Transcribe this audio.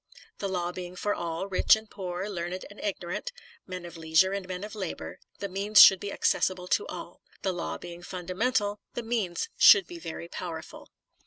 The law being for all, rich and poor, learned and ignorant, men of leisure and men of labor, the means should be accessible to all. The law beincr c> fundamental, the means should be very powerful.